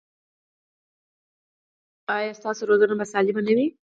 ایا ستاسو روزنه به سالمه نه وي؟